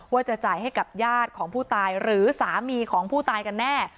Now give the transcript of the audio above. ว่าจะจ่ายให้กับญาติของผู้ตายหรือสามีของผู้ตายกันแน่